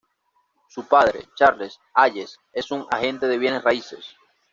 Su padre, Charles Hayes es un agente de bienes raíces.